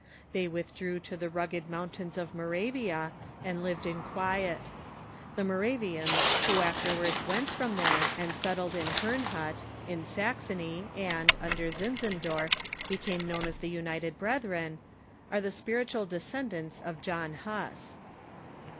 They Avithdrew to the rugged moun tains of Moravia, and lived in quiet. The Moravians Avho afterwards went from there, and settled in Herrnhut, in Sax ony, and, under Zinzendorf, became knoAvn as the United Brethren, are the spiritual descendants of John Huss.